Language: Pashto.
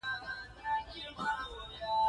دوی د ټوولګي په وروستي لیکه کې ناست دي.